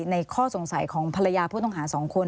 ข้อสงสัยของภรรยาผู้ต้องหา๒คน